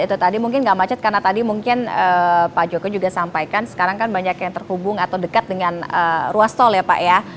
itu tadi mungkin nggak macet karena tadi mungkin pak joko juga sampaikan sekarang kan banyak yang terhubung atau dekat dengan ruas tol ya pak ya